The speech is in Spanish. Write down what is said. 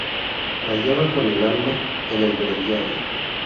La hallaba con el alma en el breviario.